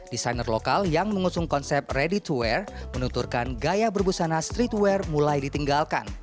desainer lokal yang mengusung konsep ready to wear menuturkan gaya berbusana streetwear mulai ditinggalkan